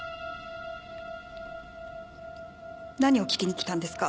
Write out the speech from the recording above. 何を聞きに来たんですか？